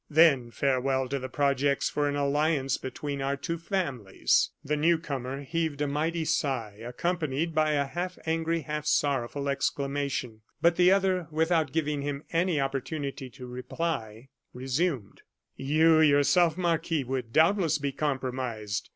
Then farewell to the projects for an alliance between our two families!" The new comer heaved a mighty sigh, accompanied by a half angry, half sorrowful exclamation; but the other, without giving him any opportunity to reply, resumed: "You, yourself, Marquis, would doubtless be compromised.